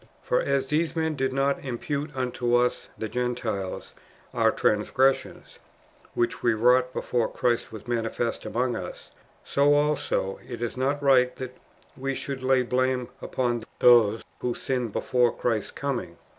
For as these men did not impute unto ns (the Gentiles) our transgressions, which we wrought before Christ was manifested among us, so also it is not right that lue should lay blame u])on those who sinned before Christ's com ing.